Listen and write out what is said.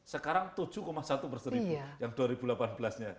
sekarang tujuh satu perseribu yang dua ribu delapan belas nya